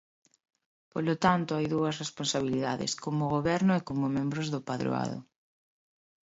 Polo tanto, hai dúas responsabilidades: como goberno e como membros do Padroado.